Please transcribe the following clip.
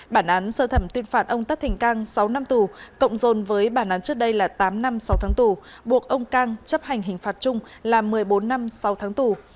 bản án sơ thẩm tuyên phạt ông tất thình cang sáu năm tù cộng dồn với bản án trước đây là tám năm sáu tháng tù buộc ông cang chấp hành hình phạt chung là một mươi bốn năm sáu tháng tù